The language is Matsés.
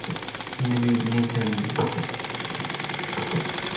Nëbi netannu